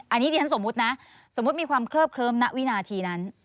อันนี้ดิฉันสมมุตินะสมมุติมีความเคลิบเคลิ้มณวินาทีนั้น